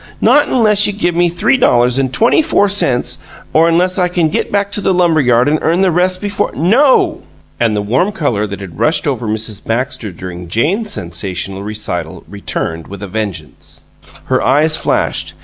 Not unless you give me three dollars and twenty four cents, or unless I can get back to the lumber yard and earn the rest before " "No!" And the warm color that had rushed over Mrs. Baxter during Jane's sensational recital returned with a vengeance. Her eyes flashed.